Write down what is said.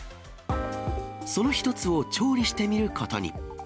その一つを調理してみることに。